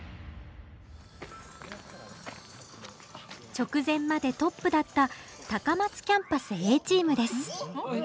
直前までトップだった高松キャンパスＡチームですえ？